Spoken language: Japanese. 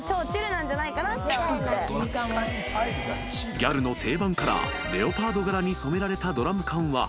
［ギャルの定番カラーレオパード柄に染められたドラム缶は］